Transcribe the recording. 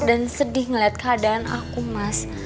dan sedih ngeliat keadaan aku mas